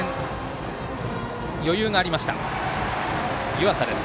湯淺です。